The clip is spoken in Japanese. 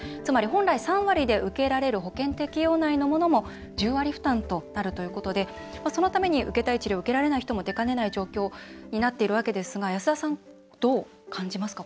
本来３割で受けられる保険適用内のものも１０割負担となるとのことでそのために、受けたい治療を受けられない人も出かねない状況になっているわけですが安田さん、どう感じますか？